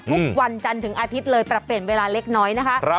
ทุกวันจันทร์ถึงอาทิตย์เลยปรับเปลี่ยนเวลาเล็กน้อยนะคะ